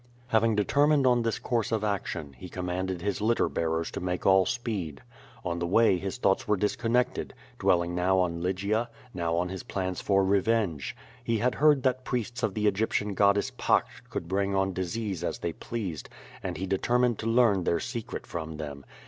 Having determined on this course of action, he com manded his litter bearers to make all speed. On the way his thoughts were disconnected, dwelling now on Lygia, now on his plans for revenge. He had heard that priests of the Egyptian goddess Pacht could bring on disease as they pleased, and he determined to learn their secret from them.